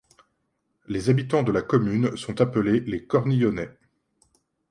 Les habitants de la commune sont appelés les Cornillonnais.